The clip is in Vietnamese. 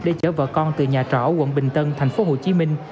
để chở vợ con từ nhà trỏ quận bình tân thành phố hồ chí minh